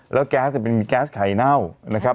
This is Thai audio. แล้วแก๊สมีแก๊สไข่เน่านะครับ